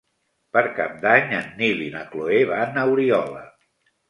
Per Cap d'Any en Nil i na Cloè van a Oriola.